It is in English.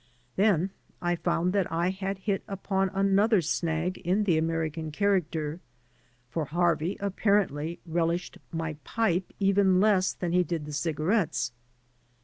Then I found that I had hit upon another snag in the American character, for Harvey apparently relished my pipe even less than he did the cigarettes.